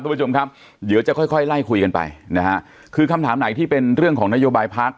ผู้ชมครับเดี๋ยวจะค่อยค่อยไล่คุยกันไปนะฮะคือคำถามไหนที่เป็นเรื่องของนโยบายพัก